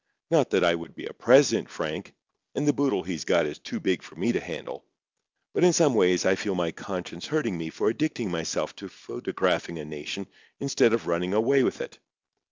Not that I would be a president, Frank—and the boodle he's got is too big for me to handle—but in some ways I feel my conscience hurting me for addicting myself to photographing a nation instead of running away with it.